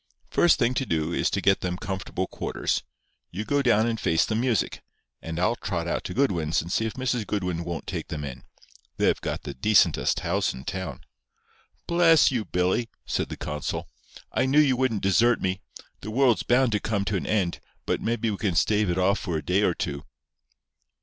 First thing to do is to get them comfortable quarters. You go down and face the music, and I'll trot out to Goodwin's and see if Mrs. Goodwin won't take them in. They've got the decentest house in town." "Bless you, Billy!" said the consul. "I knew you wouldn't desert me. The world's bound to come to an end, but maybe we can stave it off for a day or two."